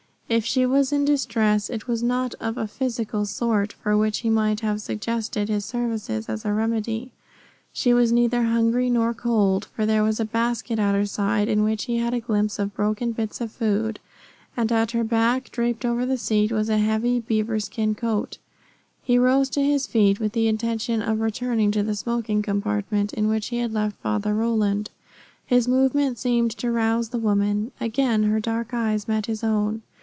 If she was in distress it was not of a physical sort for which he might have suggested his services as a remedy. She was neither hungry nor cold, for there was a basket at her side in which he had a glimpse of broken bits of food; and at her back, draped over the seat, was a heavy beaver skin coat. He rose to his feet with the intention of returning to the smoking compartment in which he had left Father Roland. His movement seemed to rouse the woman. Again her dark eyes met his own.